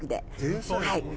はい。